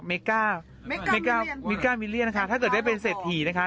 ก้าวเมก้ามิลเลียนะคะถ้าเกิดได้เป็นเศรษฐีนะคะ